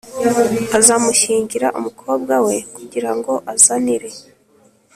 Azamushyingira umukobwa we kugira ngo azanire